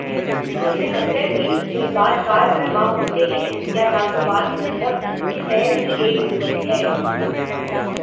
پس منظر میں جذبات کارفرما ہوتے ہیں یا تعصبات مذہب خیر کی ایک قوت ہے۔